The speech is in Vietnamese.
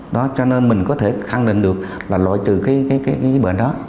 đó cho nên mình có thể khẳng định được là loại trừ cái bệnh đó